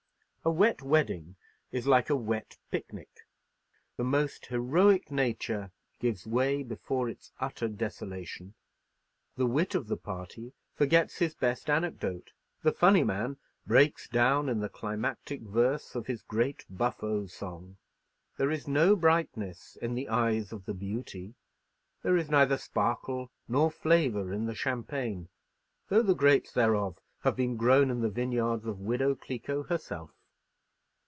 A wet wedding is like a wet pic nic. The most heroic nature gives way before its utter desolation; the wit of the party forgets his best anecdote; the funny man breaks down in the climactic verse of his great buffo song; there is no brightness in the eyes of the beauty; there is neither sparkle nor flavour in the champagne, though the grapes thereof have been grown in the vineyards of Widow Cliquot herself.